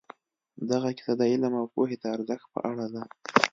دغه کیسه د علم او پوهې د ارزښت په اړه ده.